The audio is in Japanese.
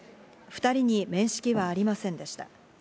２人に面識はありませんでした。